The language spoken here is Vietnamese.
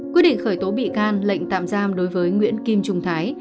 quyết định khởi tố bị can lệnh tạm giam đối với nguyễn kim trung thái